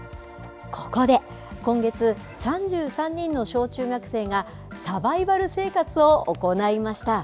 ここで今月３３人の小中学生がサバイバル生活を行いました。